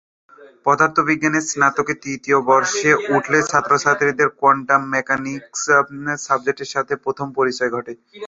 পদার্থবিজ্ঞানের স্নাতকের তৃতীয় বর্ষে উঠলে ছাত্রছাত্রীদের কোয়ান্টাম মেকানিক্স সাবজেক্টের সাথে প্রথম পরিচয় ঘটে।